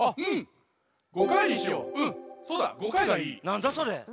なんだそれ。